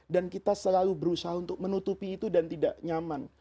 dan kita selalu berusaha untuk menutupi itu dan tidak nyaman